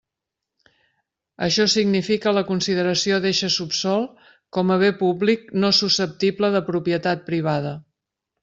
Això significa la consideració d'eixe subsòl com a bé públic no susceptible de propietat privada.